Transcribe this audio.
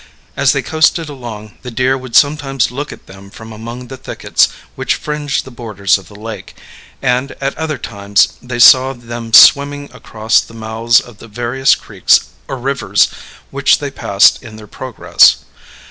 As they coasted along, the deer would sometimes look at them from among the thickets which fringed the borders of the lake; and at other times they saw them swimming across the mouths of the various creeks or rivers which they passed in their progress.